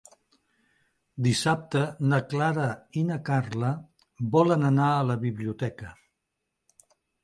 Dissabte na Clara i na Carla volen anar a la biblioteca.